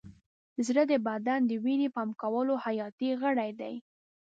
زړه د بدن د وینې پمپ کولو حیاتي غړی دی.